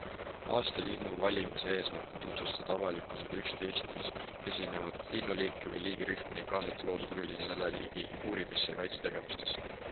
Aasta linnu valimise eesmärk on tutvustada avalikkusele üht Eestis esinevat linnuliiki või liigirühma ning kaasata loodushuvilisi selle liigi uurimise ja kaitse tegevustesse.